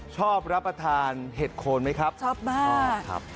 ชอบรับประทานเห็ดโคนไหมครับชอบมากครับ